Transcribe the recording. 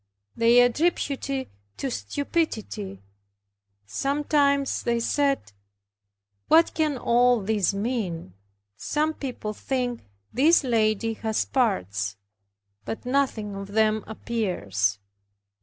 They attributed it to stupidity. Sometimes they said, "What can all this mean? Some people think this lady has parts, but nothing of them appears."